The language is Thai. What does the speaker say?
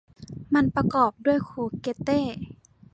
มันประกอบด้วยคูเกตเต้